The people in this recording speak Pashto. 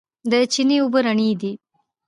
د چينې اوبه رڼې دي.